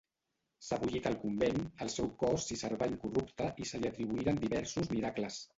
Sebollit al convent, el seu cos s'hi servà incorrupte i se li atribuïren diversos miracles.